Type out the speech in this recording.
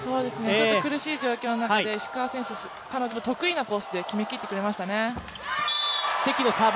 苦しい状況なので石川選手の得意なコースで決めきってくれましたね。